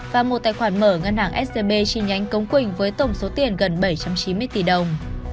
và một tài khoản mở ngân hàng scb chi nhánh cống quỳnh với tổng số tiền gần bảy trăm chín mươi tỷ đồng